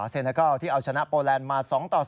เซนาเกิลที่เอาชนะโปแลนด์มา๒ต่อ๐